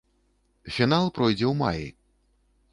Фінал пройдзе ў маі.